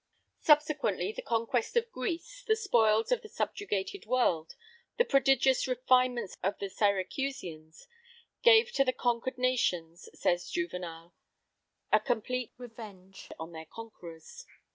Subsequently, the conquest of Greece, the spoils of the subjugated world, the prodigious refinements of the Syracusans, gave to the conquered nations, says Juvenal, a complete revenge on their conquerors.